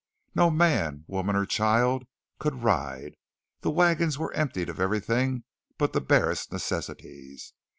No man, woman, or child could ride; the wagons were emptied of everything but the barest necessities.